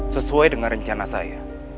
sesuai dengan rencana saya